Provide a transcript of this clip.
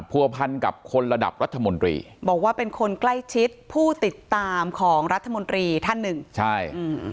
ผัวพันกับคนระดับรัฐมนตรีบอกว่าเป็นคนใกล้ชิดผู้ติดตามของรัฐมนตรีท่านหนึ่งใช่อืม